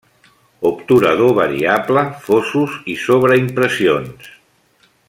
Obturador variable, Fosos i sobreimpressions.